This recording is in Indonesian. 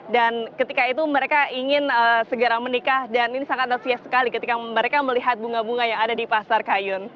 dan ketika itu mereka ingin segera menikah dan ini sangat antusias sekali ketika mereka melihat bunga bunga yang ada di pasar kayun